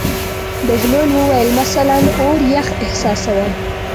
بهلول وویل: مثلاً اور یخ احساسوم.